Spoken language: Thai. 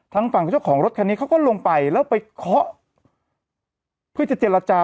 ทางฝั่งของรถคันนี้เขาก็ลงไปแล้วไปเคาะเพื่อเจ็ดเจ็ดละจา